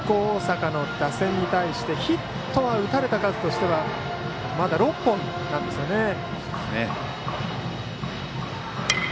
大阪の打線に対してヒットは、打たれた数としてはまだ６本なんですよね。